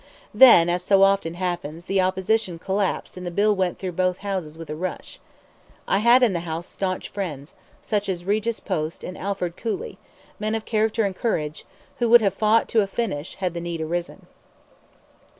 Then, as so often happens, the opposition collapsed and the bill went through both houses with a rush. I had in the House stanch friends, such as Regis Post and Alford Cooley, men of character and courage, who would have fought to a finish had the need arisen.